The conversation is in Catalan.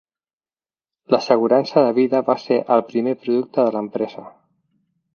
L'assegurança de vida va ser el primer producte de l'empresa.